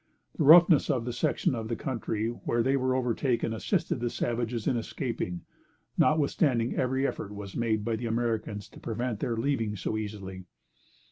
The roughness of the section of the country where they were overtaken, assisted the savages in escaping, notwithstanding every effort was made by the Americans to prevent their leaving so easily.